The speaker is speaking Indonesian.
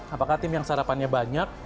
apakah tim yang sarapannya banyak